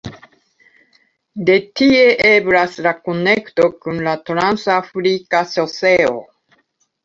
De tie eblas la konekto kun la "Trans-Afrika Ŝoseo".